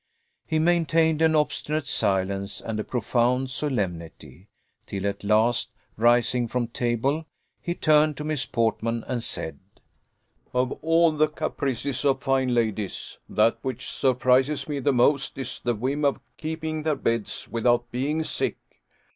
He maintained an obstinate silence, and a profound solemnity till at last, rising from table, he turned to Miss Portman, and said, "Of all the caprices of fine ladies, that which surprises me the most is the whim of keeping their beds without being sick.